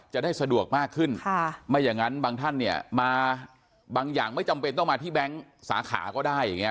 จะได้สะดวกมากขึ้นไม่อย่างนั้นบางท่านเนี่ยมาบางอย่างไม่จำเป็นต้องมาที่แบงค์สาขาก็ได้อย่างนี้